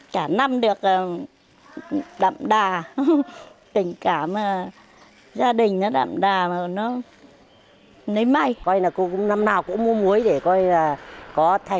cả năm được đậm đà tình cảm gia đình đậm đà nấy may